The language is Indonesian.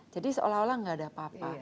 jadi seolah olah tidak ada apa apa